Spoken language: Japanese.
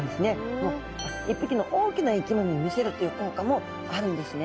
１匹の大きな生き物に見せるという効果もあるんですね。